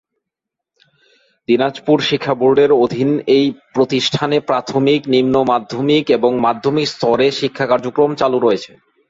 দিনাজপুর শিক্ষাবোর্ডের অধীন এই প্রতিষ্ঠানে প্রাথমিক, নিম্ন মাধ্যমিক এবং মাধ্যমিক স্তরে শিক্ষা কার্যক্রম চালু রয়েছে।